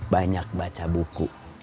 banyak baca buku